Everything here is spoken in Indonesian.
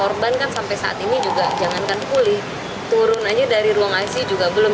korban kan sampai saat ini juga jangankan pulih turun aja dari ruang icu juga belum